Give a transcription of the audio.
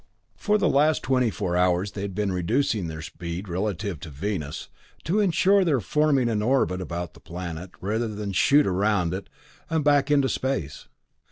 For the last twenty four hours they had been reducing their speed relative to Venus, to insure their forming an orbit about the planet, rather than shoot around it and back into space.